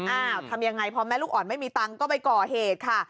ทำยังไงพอแม่ลูกอ่อนไม่มีตังค์ก็ไปก่อเหตุค่ะ